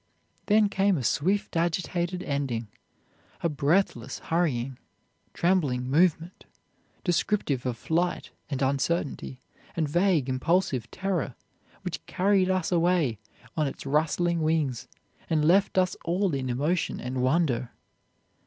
Then came a swift agitated ending a breathless, hurrying, trembling movement, descriptive of flight, and uncertainty, and vague impulsive terror, which carried us away on its rustling wings, and left us all in emotion and wonder.